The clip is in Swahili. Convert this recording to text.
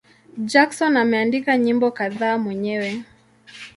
Jackson ameandika nyimbo kadhaa mwenyewe.